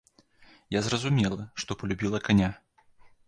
Я зразумела, што палюбіла каня.